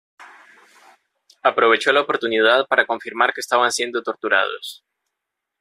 Aprovechó la oportunidad para confirmar que estaban siendo torturados.